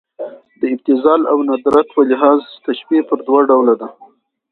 د ابتذال او ندرت په لحاظ تشبیه پر دوه ډوله ده.